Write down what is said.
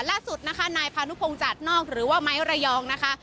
ล่าสุดนะคะนายพานุพงศ์จัดนอกหรือว่าไม้ระยองนะคะ